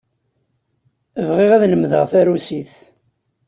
Bɣiɣ ad lemdeɣ tarusit.